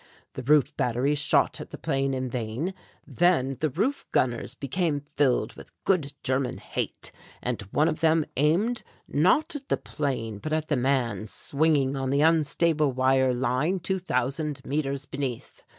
The roof batteries shot at the plane in vain then the roof gunners became filled with good German hate, and one of them aimed, not at the plane, but at the man swinging on the unstable wire line two thousand metres beneath.